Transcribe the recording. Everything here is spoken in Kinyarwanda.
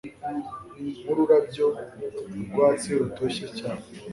nkururabyo rwatsi rutoshye cyane